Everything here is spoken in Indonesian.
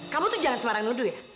kamu tuh jangan semarang nuduh ya